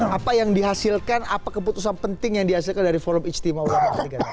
apa yang dihasilkan apa keputusan penting yang dihasilkan dari forum ijtima ulama ketiga